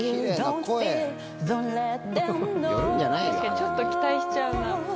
ちょっと期待しちゃうな。